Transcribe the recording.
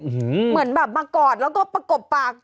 เหมือนแบบมากอดแล้วก็ประกบปาก